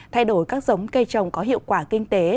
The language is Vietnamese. thay đổi các giống cây trồng có hiệu quả kinh tế